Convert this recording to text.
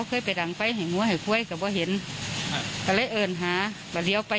คือบางทั้งหมู่ผมมันให้เดี๋ยวพอไป